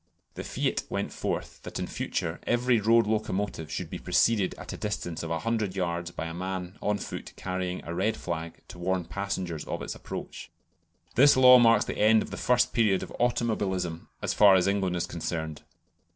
The fiat went forth that in future _every road locomotive should be preceded at a distance of a hundred yards by a man on foot carrying a red flag to warn passengers of its approach_. This law marks the end of the first period of automobilism as far as England is concerned.